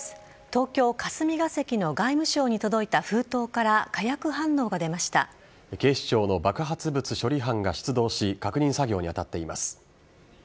東京・霞が関の外務省に届いた封筒から警視庁の爆発物処理班が出動し確認作業に当たっています。